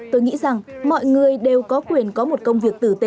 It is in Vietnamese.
tôi nghĩ rằng mọi người đều có quyền có một công việc tử tế